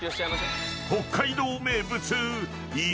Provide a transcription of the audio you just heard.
［北海道名物］あ！